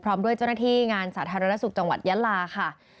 พร้อมด้วยเจ้าหน้าที่งานสาธารณสุขจังหวัดยะลาค่ะ